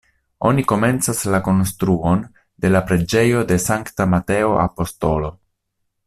Oni komencas la konstruon de la preĝejo de Sankta Mateo Apostolo.